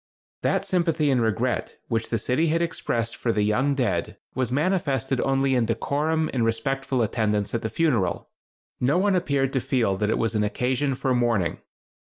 That sympathy and regret which the city had expressed for the young dead was manifested only in decorum and respectful attendance at the funeral. No one appeared to feel that it was an occasion for mourning.